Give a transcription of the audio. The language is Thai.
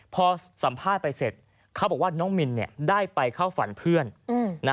พอสัมภาษณ์ไปเสร็จเขาบอกว่าน้องมินได้ไปเข้าฝันเพื่อนนะ